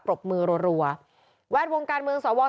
ก็ยังไม่ทราบเลย